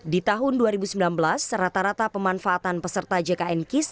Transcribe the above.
di tahun dua ribu sembilan belas rata rata pemanfaatan peserta jkn kis